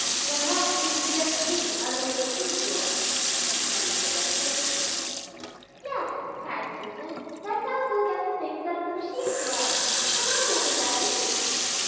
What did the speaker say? "Perhaps we can get the things out of the machine drawer!" Henny suggested. "Yes," cried Susan, "let's all go get the things out of the machine drawer! Come on, everybody!"